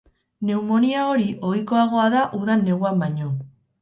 Pneumonia hori ohikoagoa da udan neguan baino.